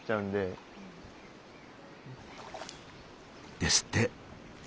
ですって。